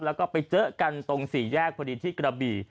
แล้วก็ไปเจอกันตรงสี่แยกพอดีที่กระบี่